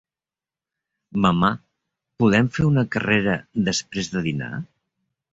Mamà, podem fer una carrera després de dinar?